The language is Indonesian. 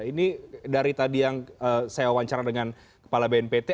ini dari tadi yang saya wawancara dengan kepala bnpt